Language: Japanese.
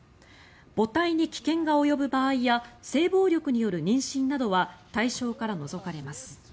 母体に危険が及ぶ場合や性暴力による妊娠などは対象から除かれます。